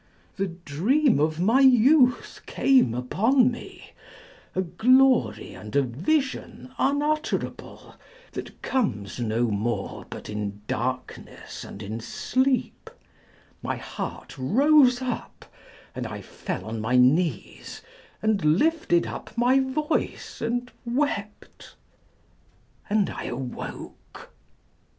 The dream of my youth came upon me ; a glory and a vision unutterable, that comes no more but in darkness and in sleep : my heart rose up, and I fell on my knees, and lifted up my voice and wept, and I awoke.